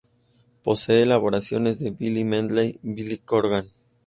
Posee colaboraciones de Billy Medley y Billy Corgan.